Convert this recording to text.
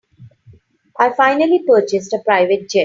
I finally purchased a private jet.